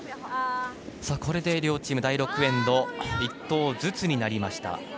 これで両チーム、第６エンド残り１投ずつになりました。